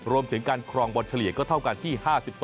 รวมถึงการครองบอลเฉลี่ยก็เท่ากันที่๕๒